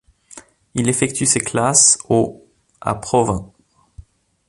Il effectue ses classes au à Provins.